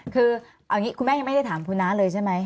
คือเอาอย่างนี้คุณแม่ยังไม่ได้ถามคุณน้าเลยใช่ไหม